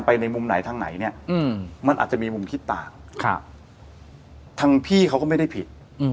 ในมุมไหนทางไหนเนี่ยมันอาจจะมีมุมคิดต่างทางพี่เขาก็ไม่ได้ผิด